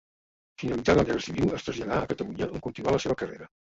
Finalitzada la guerra civil es traslladà a Catalunya on continuà la seva carrera.